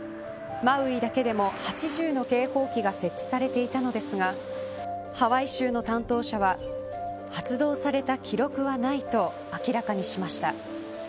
マウイだけでも８０の警報器が設置されていたのですがハワイ州の担当者は発動された記録はないと明らかにしました。